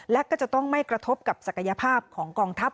และก็จะต้องไม่กระทบกับศักยภาพของกองทัพ